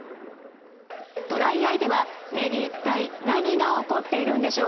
ドライアイでは目に一体何が起こっているんでしょうか？